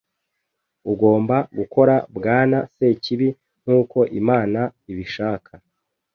Ugomba gukora Bwana Sekibi nkuko Imana ibishaka